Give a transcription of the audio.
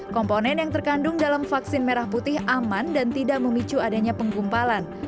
komponen yang terkandung dalam vaksin merah putih aman dan tidak memicu adanya penggumpalan